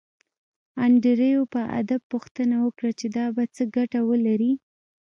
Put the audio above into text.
انډریو په ادب پوښتنه وکړه چې دا به څه ګټه ولري